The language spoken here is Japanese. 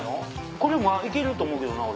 これは行けると思うけどな俺。